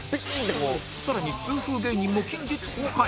更に痛風芸人も近日公開